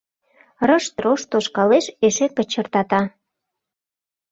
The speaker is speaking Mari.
Рышт-рошт тошкалеш, эше кочыртата.